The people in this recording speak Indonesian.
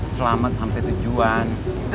selamat sampai tujuan